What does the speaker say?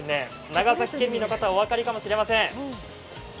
長崎県民の方はお分かりかもしれません。